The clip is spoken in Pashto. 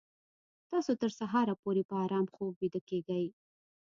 تاسو تر سهاره پورې په ارام خوب ویده کیږئ